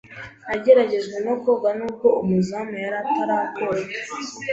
Nageragejwe no koga nubwo umuzamu yari atarakora.